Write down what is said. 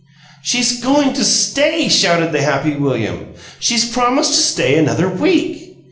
"She's going to stay!" shouted the happy William. "She's promised to stay another week!"